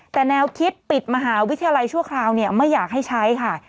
แต่แนวคิดปิดมหาวิทยาลัยชั่วคราวไม่อยากให้ใช้ค่ะ